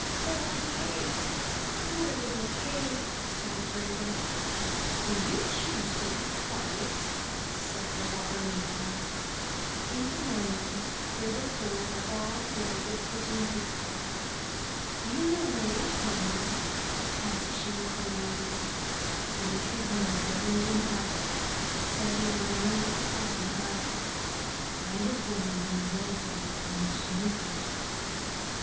*' "O Kay! poor little Kay!'* sighed Gerda. '*Do you choose to be quiet? said the Robber maiden. In the morning Gerda told her all that the Wood pigeons had said. "Do you know where Lapland is? asked she of the Reindeer. Who should know better than I?*' said the animal with sparkling eyes. "I was bom and bred there on the snow fields.